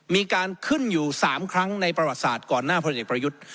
มีการขึ้นอยู่๓ครั้งในประวัติศาสตร์ก่อนหน้าพลเอกประยุทธ์